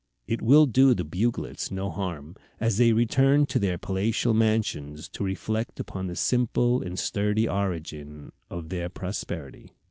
It will do the Buglets no harm, as they return to their palatial mansions, to reflect upon the simple and sturdy origin of their prosperity.